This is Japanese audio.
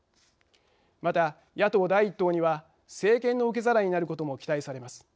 また、野党第１党には政権の受け皿になることも期待されます。